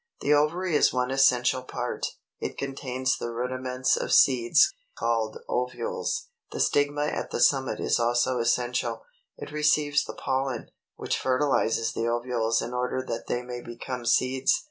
The ovary is one essential part: it contains the rudiments of seeds, called OVULES. The stigma at the summit is also essential: it receives the pollen, which fertilizes the ovules in order that they may become seeds.